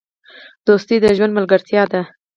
دوستي د ژوند ملګرتیا ده.